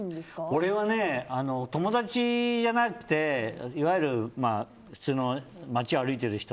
俺は友達じゃなくていわゆる普通の街を歩いてる人